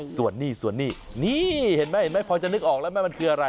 ส่วนนี่ส่วนนี้นี่เห็นไหมเห็นไหมพอจะนึกออกแล้วไหมมันคืออะไร